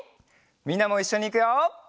みんなもいっしょにいくよ！